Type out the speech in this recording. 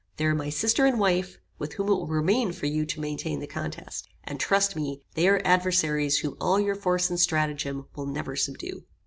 There are my sister and wife, with whom it will remain for you to maintain the contest. And trust me, they are adversaries whom all your force and stratagem will never subdue."